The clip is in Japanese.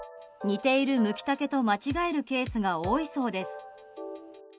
似ているムキタケと間違えるケースが多いそうです。